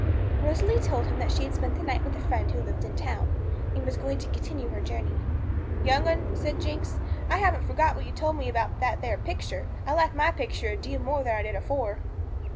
Rosalie told him that she had spent the night with a friend who lived in the town, and was going to continue her journey. 'Young 'un,' said Jinx, 'I haven't forgot what you told me about that there picture. I like my picture a deal more than I did afore.'